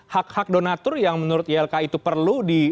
hak hak donator yang menurut ylki itu perlu